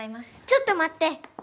ちょっと待って！